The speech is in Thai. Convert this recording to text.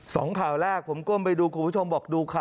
สองข่าวแรกผมก้มไปดูคุณผู้ชมบอกดูข่าว